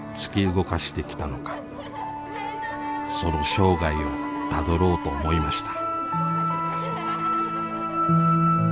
その生涯をたどろうと思いました。